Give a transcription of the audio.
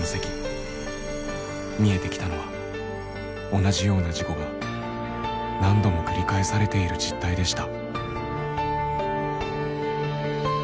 見えてきたのは同じような事故が何度も繰り返されている実態でした。